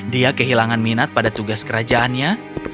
dia kehilangan minat pada tugas kerajaannya